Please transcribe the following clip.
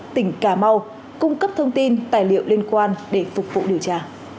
tỉnh cà mau cung cấp thông tin tài liệu liên quan để phục vụ điều tra